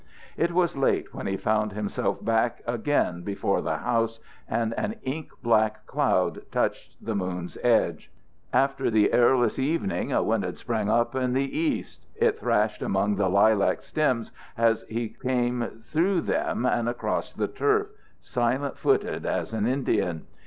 It was late when he found himself back again before the house, and an ink black cloud touched the moon's edge. After the airless evening a wind had sprang up in the east; it thrashed among the lilac stems as he came through them and across the turf, silent footed as an Indian.